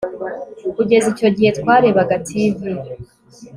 Kugeza icyo gihe twarebaga TV